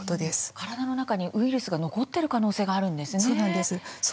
体の中にウイルスが残っている可能性があるんですね。